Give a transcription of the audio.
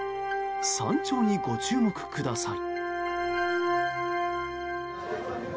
山頂にご注目ください。